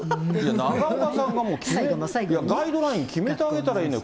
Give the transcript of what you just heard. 永岡さんがもうガイドライン決めてあげたらいいのに。